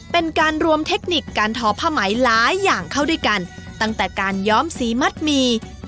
เป็นการรวมเทคนิคการทอผ้าไหมหลายอย่างเข้าด้วยกันตั้งแต่การย้อมสีมัดหมี่